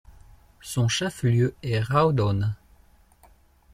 Son chef-lieu est Rawdon.